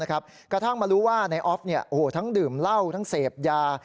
กระทั่งมารู้ว่านายออฟทั้งดื่มเหล้าทั้งเสพยา